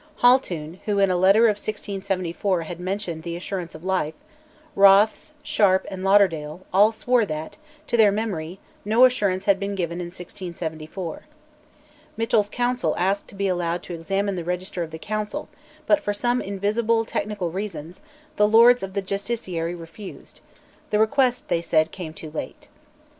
Haltoun (who in a letter of 1674 had mentioned the assurance of life), Rothes, Sharp, and Lauderdale, all swore that, to their memory, no assurance had been given in 1674. Mitchell's counsel asked to be allowed to examine the Register of the Council, but, for some invisible technical reasons, the Lords of the Justiciary refused; the request, they said, came too late.